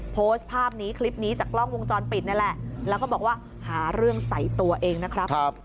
โพสต์ภาพนี้คลิปนี้จากกล้องวงจรปิดนี่แหละแล้วก็บอกว่าหาเรื่องใส่ตัวเองนะครับ